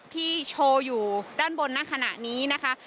ที่โชว์อยู่ด้านบนณขณะนี้นะคะ